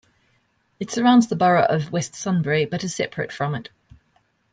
It surrounds the borough of West Sunbury but is separate from it.